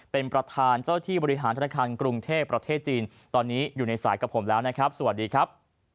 เป็นประธานเจ้าที่บริหารธนาคารกรุงเทพประเทศจีนตอนนี้อยู่ในสายกับผมแล้วนะครับสวัสดีครับ